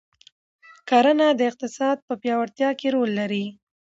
کرنه د اقتصاد په پیاوړتیا کې رول لري.